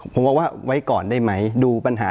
ผมบอกว่าไว้ก่อนได้ไหมดูปัญหา